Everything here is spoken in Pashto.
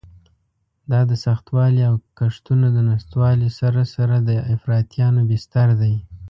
دا د سختوالي او کښتونو د نشتوالي سره سره د افراطیانو بستر دی.